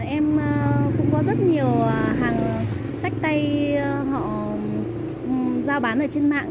em cũng có rất nhiều hàng sách tay họ giao bán ở trên mạng